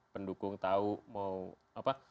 pendukung tahu mau apa